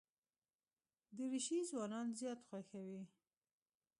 دریشي ځوانان زیات خوښوي.